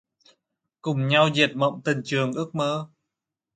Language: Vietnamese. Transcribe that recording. Cùng nhau dệt mộng tình trường ước mơ.